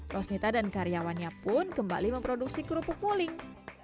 rosnita dan karyawannya pun kembali memproduksi kerupuk poling